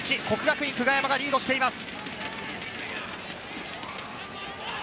國學院久我山がリードしています。